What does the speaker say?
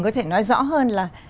có thể nói rõ hơn là